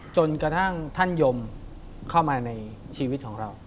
จนกระทั่งท่านยมเข้ามาในชีวิตของเรา